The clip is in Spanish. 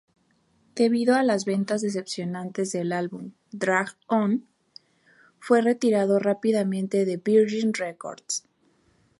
Debido a las ventas decepcionantes del álbum, Drag-On fue retirado rápidamente de Virgin Records.